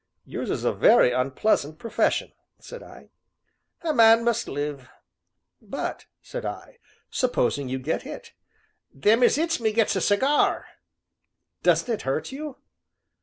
"Yours is a very unpleasant profession," said I. "A man must live!" "But," said I, "supposing you get hit?" "Them as 'its me gets a cigar!" "Doesn't it hurt you?"